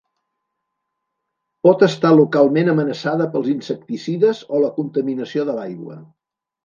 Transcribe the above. Pot estar localment amenaçada pels insecticides o la contaminació de l'aigua.